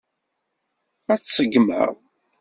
Ad t-ṣeggmeɣ.